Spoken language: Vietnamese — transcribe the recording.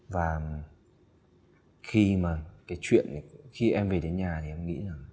và khi mà cái chuyện khi em về đến nhà thì em nghĩ là